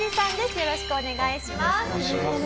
よろしくお願いします。